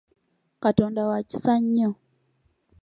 Katonda wa kisa nnyo.